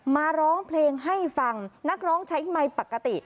มาร้องเพลงให้ฟังนักร้องใช้ไมค์ปกติ